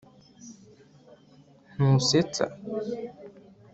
ntusetsa